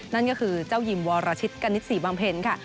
นั่นก็คือเจ้ายิมวรชิตกณิตศรีบำเพ็ญค่ะ